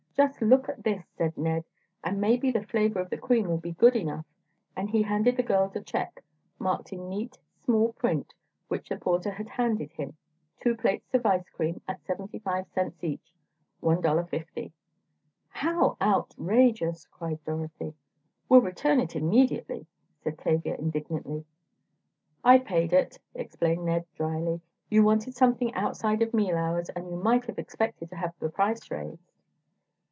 "Just look at this," said Ned, "and maybe the flavor of the cream will be good enough," and he handed the girls a check marked in neat, small print, which the porter had handed him: "Two plates of ice cream, at 75 cents each, $1.50." "How outrageous!" cried Dorothy. "We'll return it immediately," said Tavia, indignantly. "I paid it," explained Ned, drily. "You wanted something outside of meal hours, and you might have expected to have the price raised."